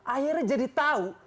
akhirnya jadi tahu